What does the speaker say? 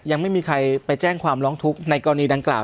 ยังไม่มีใครไปแจ้งความร้องทุกข์ในกรณีดังกล่าว